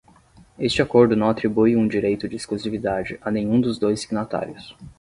Este acordo não atribui um direito de exclusividade a nenhum dos dois signatários.